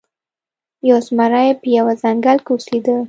یو زمری په یوه ځنګل کې اوسیده.